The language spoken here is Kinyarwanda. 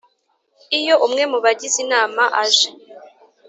Iyo umwe mu bagize Inama aje